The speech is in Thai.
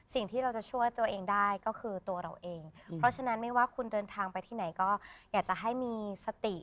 สิ่งที่เราจะช่วยตัวเองได้ก็คือตัวเราเองเพราะฉะนั้นไม่ว่าคุณเดินทางไปที่ไหนก็อยากจะให้มีสติ